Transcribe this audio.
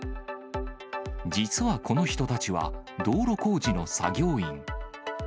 実はこの人たちは、道路工事の作業員。